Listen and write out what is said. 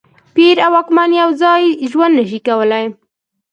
پیر او واکمن یو ځای ژوند نه شي کولای.